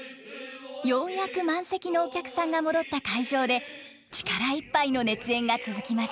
ようやく満席のお客さんが戻った会場で力いっぱいの熱演が続きます。